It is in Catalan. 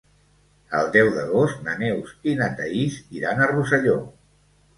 El deu d'agost na Neus i na Thaís iran a Rosselló.